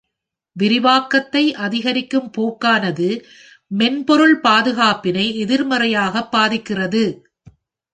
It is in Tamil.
விரிவாக்கத்தை அதிகரிக்கும் போக்கானது மென்பொருள் பாதுகாப்பினை எதிர்மறையாக பாதிக்கிறது.